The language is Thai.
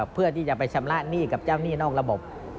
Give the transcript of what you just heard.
เพื่อที่จะไปชำระหนี้กับเจ้าหนี้นอกระบบ